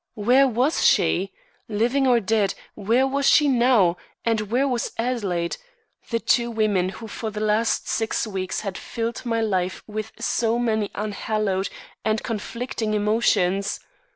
Where was she? Living or dead, where was she now and where was Adelaide the two women who for the last six weeks had filled my life with so many unhallowed and conflicting emotions?